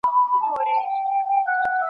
له خپل یزدانه ګوښه .